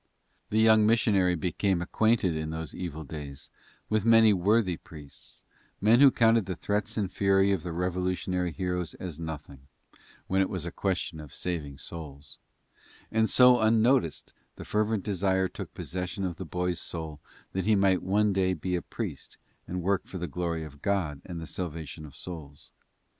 The young missionary became acquainted in those evil days with many worthy priests, men who counted the threats and fury of the revolutionary heroes as nothing, when it was a question of saving souls and so unnoticed the fervent desire took possession of the boy's soul that he might one day be a priest and work for the glory of God and the salvation of souls.